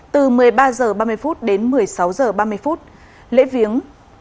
từ một mươi ba h ba mươi phút đến một mươi sáu h ba mươi phút lễ viếng